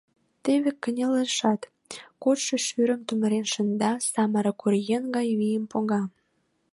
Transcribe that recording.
Теве кынелешат, кодшо шӱрым тӱмырен шында, самырык оръеҥ гай вийым пога...